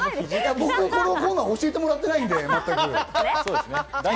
僕、このコーナー、全く教えてもらってないので。